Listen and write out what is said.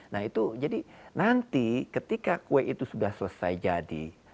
nah itu jadi nanti ketika kue itu sudah selesai jadi